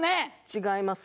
違います。